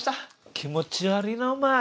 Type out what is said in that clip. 気持ち悪いなお前。